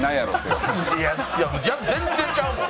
いやギャグ全然ちゃうもん。